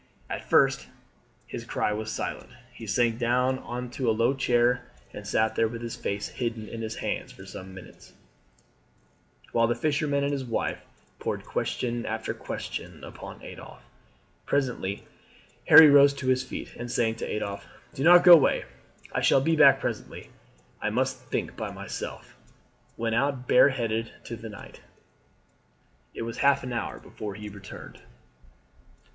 After his first cry Harry was silent; he sank down on to a low chair, and sat there with his face hidden in his hands for some minutes, while the fisherman and his wife poured question after question upon Adolphe. Presently Harry rose to his feet, and saying to Adolphe, "Do not go away, I shall be back presently, I must think by myself," went out bareheaded into the night. It was half an hour before he returned.